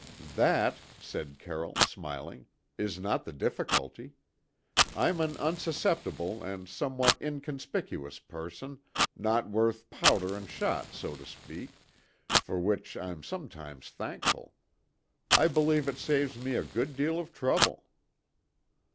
"That," said Carroll, smiling, "is not the difficulty. I'm an unsusceptible and somewhat inconspicuous person, not worth powder and shot, so to speak, for which I'm sometimes thankful. I believe it saves me a good deal of trouble."